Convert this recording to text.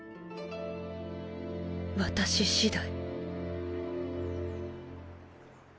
私次第。